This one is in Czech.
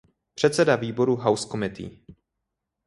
Předseda výboru House Committee.